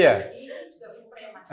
jadi juga ini preman